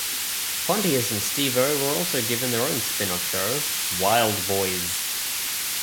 Pontius and Steve-O were also given their own spin-off show "Wildboyz".